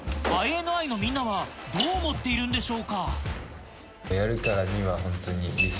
ＩＮＩのみんなはどう思っているんでしょうか？